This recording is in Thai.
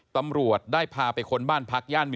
ตำรวจได้พาไปคนบ้านพัก